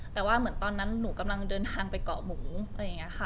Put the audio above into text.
แต่ว่าเหมือนตอนนั้นหนูกำลังเดินทางไปเกาะหมูอะไรอย่างนี้ค่ะ